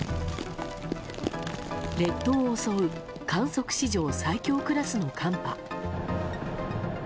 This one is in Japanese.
列島を襲う観測史上最強クラスの寒波。